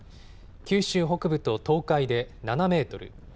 九州北部と東海で７メートル